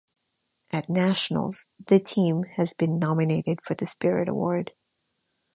At nationals, the team has been nominated for the spirit award.